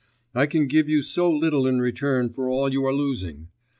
I can give you so little in return for all you are losing.